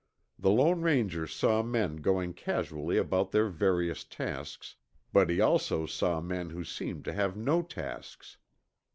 The Lone Ranger saw men going casually about their various tasks, but he also saw men who seemed to have no tasks.